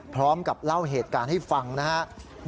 พร้อมกับเล่าเหตุการณ์ให้ฟังนะครับ